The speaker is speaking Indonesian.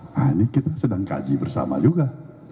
nah ini kita sedang kaji bersama juga